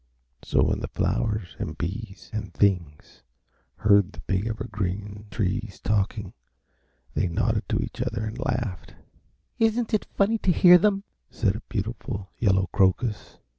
So when the flowers and bees and things heard the big Evergreen Trees talking they nodded to each other and laughed. "Isn't it funny to hear them?" said a beautiful yellow crocus.